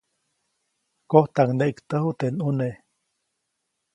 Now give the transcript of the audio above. Kojtaŋneʼktäju teʼ ʼnune.